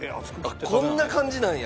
こんな感じなんや。